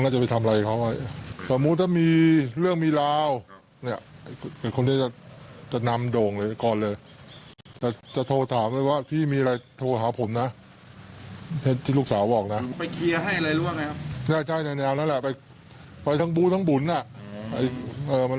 ใช่เอาแล้วไปทั้งฟู้ทั้งบุญ